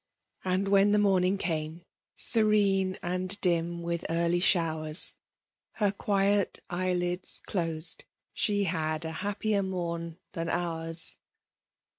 And whea the morning came, terene Aad dim with early ihowany Her quiet eyelids doted — she had A happier mom than ours